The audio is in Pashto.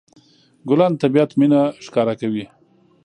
ګلان د طبيعت مینه ښکاره کوي.